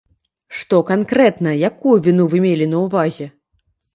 Што канкрэтна, якую віну вы мелі на ўвазе?